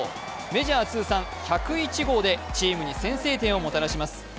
メジャー通算１０１号でチームに先制点をもたらします。